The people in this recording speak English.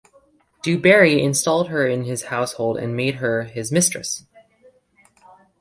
Du Barry installed her in his household and made her his mistress.